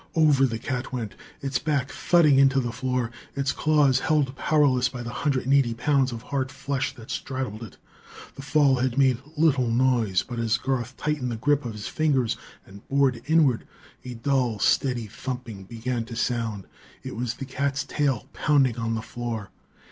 Over the cat went, its back thudding into the floor, its claws held powerless by the hundred and eighty pounds of hard flesh that straddled it. The fall had made little noise; but, as Garth tightened the grip of his fingers and bored inward, a dull, steady thumping began to sound. It was the cat's tail, pounding on the floor!